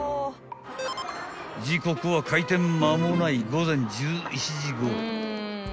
［時刻は開店間もない午前１１時ごろ］